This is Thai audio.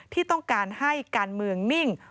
ที่ต้องการให้การเมืองนิ่ง